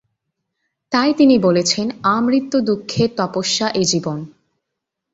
তাই তিনি বলেছেন, "আমৃত্যু দুঃখের তপস্যা এ জীবন"।